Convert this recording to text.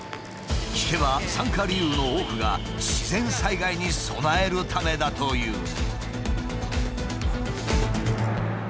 聞けば参加理由の多くが自然災害に備えるためだという。